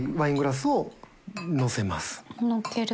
のっける。